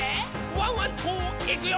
ワンワンといくよ」